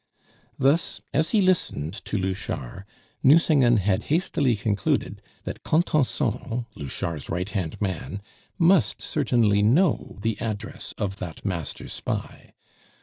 Thus, as he listened to Louchard, Nucingen had hastily concluded that Contenson, Louchard's right hand man, must certainly know the address of that master spy.